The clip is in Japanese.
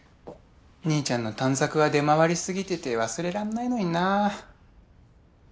兄ちゃんの短冊は出回りすぎてて忘れらんないのになあ。